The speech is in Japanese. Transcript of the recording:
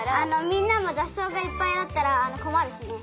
みんなもざっそうがいっぱいあったらこまるしね。